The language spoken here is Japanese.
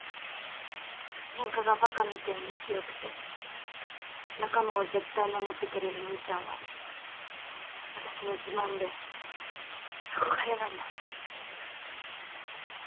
ケンカがバカみたいに強くて仲間を絶対守ってくれる兄ちゃんは私の自慢で憧れなんだ。